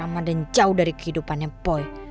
masuk ke asrama dan jauh dari kehidupannya boy